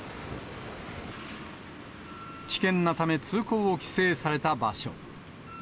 危険なため、通行を規制された場所。